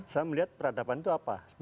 saya melihat peradaban itu apa